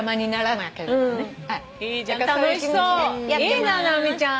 いいな直美ちゃん。